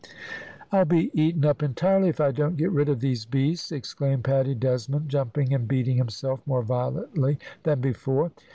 "I'll be eaten up entirely if I don't get rid of these beasts," exclaimed Paddy Desmond, jumping and beating himself more violently than before.